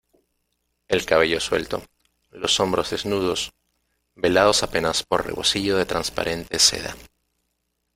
el cabello suelto, los hombros desnudos , velados apenas por rebocillo de transparente seda.